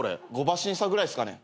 ５馬身差ぐらいっすかね。